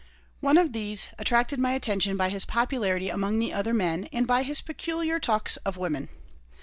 One of these attracted my attention by his popularity among the other men and by his peculiar talks of women.